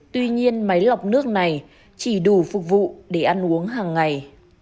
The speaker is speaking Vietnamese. tuy nhiên máy lọc nước này chỉ đủ phục vụ để ăn uống hàng ngày